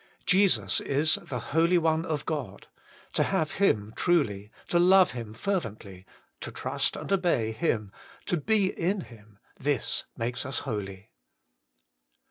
Jesus is the Holy One of Ooi : to have Him truly, to love Him fervently, to trust and obey Him, to be in Him this makes us holy.